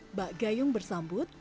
mbak gayung bersambut